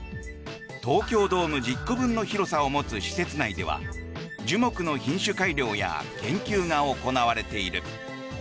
東京ドーム１０個分の広さを持つ施設内では樹木の品種改良や研究が行われている。